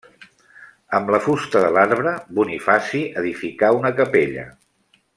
Amb la fusta de l'arbre, Bonifaci edificà una capella.